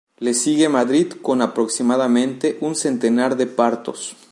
Le sigue Madrid con aproximadamente un centenar de partos.